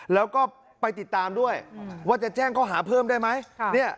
แล้วก็ไปติดตามด้วยว่าจะแจ้งเขาหาเพิ่มได้ไหม